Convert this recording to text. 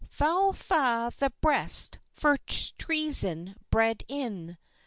FOUL fa' the breast first treason bred in!